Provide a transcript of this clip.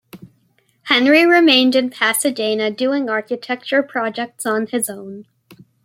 Henry remained in Pasadena, doing architecture projects on his own.